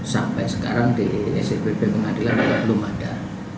sampai sekarang di sipb pengadilan itu belum ada